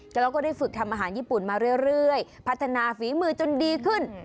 แล้วเราก็ได้ฝึกทำอาหารญี่ปุ่นมาเรื่อยพัฒนาฝีมือจนดีขึ้น